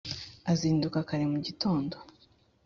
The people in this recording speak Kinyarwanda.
azinduka kare mu gitondo